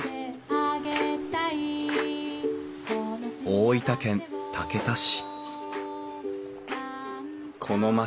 大分県竹田市。